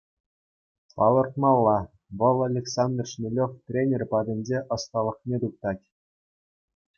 Палӑртмалла: вӑл Александр Шмелев тренер патӗнче ӑсталӑхне туптать.